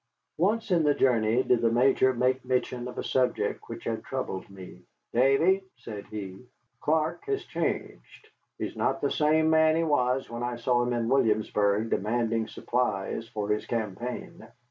Once in the journey did the Major make mention of a subject which had troubled me. "Davy," said he, "Clark has changed. He is not the same man he was when I saw him in Williamsburg demanding supplies for his campaign."